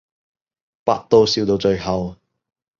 百度笑到最後